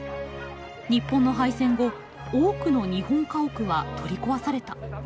日本の敗戦後多くの日本家屋は取り壊された。